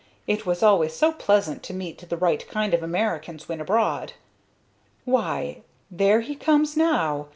It was always so pleasant to meet the right kind of Americans when abroad. "Why! There he comes now!